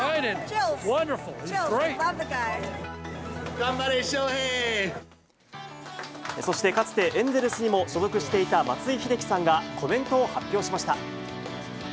頑張れ、そして、かつて、エンゼルスにも所属していた松井秀喜さんが、コメントを発表しました。